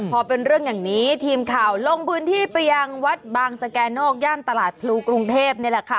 พอเป็นเรื่องนี้ทีมข่าวลงบืนที่ประหยางวัดบางสแกนอกแบ่งตลาดพรุกรุงเทพ